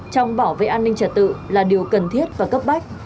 trong bảo vệ an ninh trật tự là điều cần thiết và cấp bách